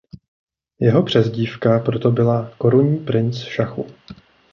Jeho přezdívka proto byla "Korunní princ šachu".